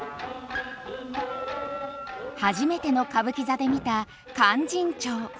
初めての歌舞伎座で見た「勧進帳」。